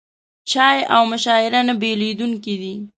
چای او مشاعره نه بېلېدونکي دي.